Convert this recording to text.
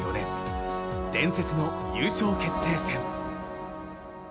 伝説の優勝決定戦。